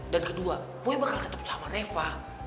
dan kedua boy bakal tetep sama reva